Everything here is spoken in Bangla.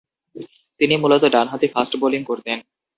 তিনি মূলতঃ ডানহাতি ফাস্ট বোলিং করতেন।